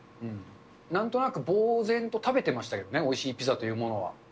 なんとなくぼう然と食べてましたけどね、おいしいピザというものは。